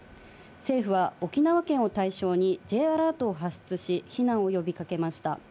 政府は、沖縄県を対象にＪアラートを発出し、避難を呼び掛けました。